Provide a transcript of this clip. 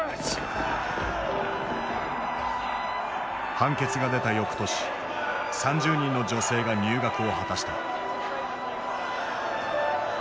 判決が出たよくとし３０人の女性が入学を果たした。